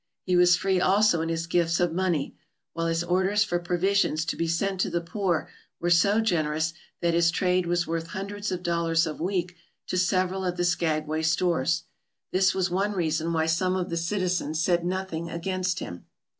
He was free also in his gifts of money, while his orders for provisions to be sent to the poor were so generous that his trade was worth hun dreds of dollars a week to several of the Skagway stores. This was one reason why some of the citizens said nothing against him.